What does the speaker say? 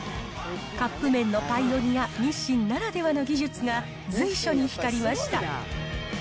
カップ麺のパイオニア、日清ならではの技術が随所に光りました。